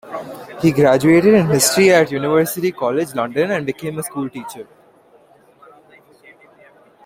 He graduated in History at University College, London, and became a schoolteacher.